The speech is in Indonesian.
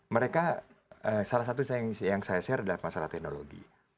mereka salah satu yang saya share adalah masalah teknologi